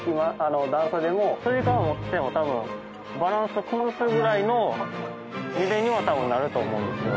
段差でもつり革持ってても多分バランス崩すぐらいの揺れには多分なると思うんですよ。